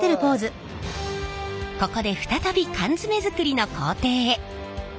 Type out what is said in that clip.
ここで再び缶詰作りの工程へ。